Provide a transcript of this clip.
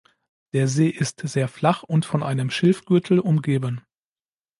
Der See ist sehr flach und von einem Schilfgürtel umgeben.